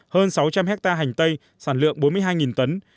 hơn sáu trăm linh hectare hành tây sản lượng bốn mươi hai tấn